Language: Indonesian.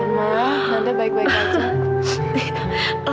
maaf nanda baik baik saja